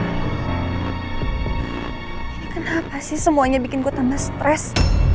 ini kenapa sih semuanya bikin gue tambah stres